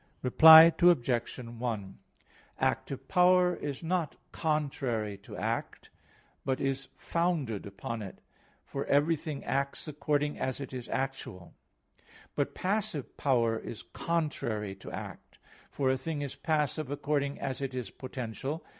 Reply Obj. 1: Active power is not contrary to act, but is founded upon it, for everything acts according as it is actual: but passive power is contrary to act; for a thing is passive according as it is potential.